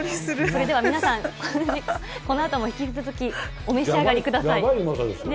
それでは皆さん、このあとも引き続きお召し上がりください。